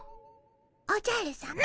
おじゃるさま！